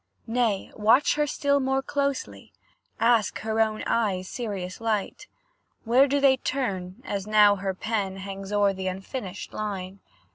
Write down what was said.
Nay, watch her still more closely, ask Her own eyes' serious light; Where do they turn, as now her pen Hangs o'er th'unfinished line?